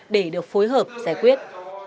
để được phối hợp giải quyết